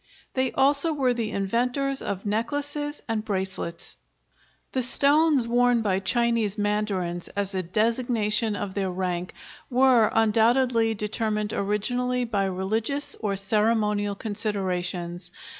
They also were the inventors of necklaces and bracelets. The stones worn by Chinese mandarins as a designation of their rank were undoubtedly determined originally by religious or ceremonial considerations.